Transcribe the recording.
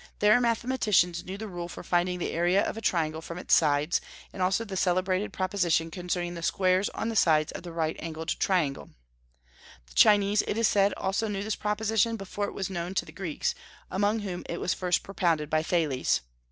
Their mathematicians knew the rule for finding the area of a triangle from its sides, and also the celebrated proposition concerning the squares on the sides of the right angled triangle. The Chinese, it is said, also knew this proposition before it was known to the Greeks, among whom it was first propounded by Thales.